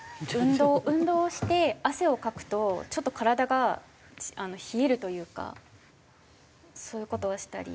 運動をして汗をかくとちょっと体が冷えるというかそういう事はしたり。